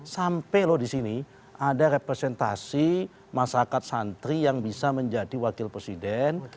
sampai loh di sini ada representasi masyarakat santri yang bisa menjadi wakil presiden